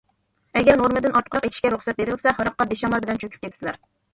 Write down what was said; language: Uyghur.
ئەگەر نورمىدىن ئارتۇقراق ئىچىشكە رۇخسەت بېرىلسە، ھاراققا بېشىڭلار بىلەن چۆكۈپ كېتىسىلەر.